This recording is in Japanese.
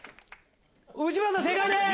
内村さん正解です！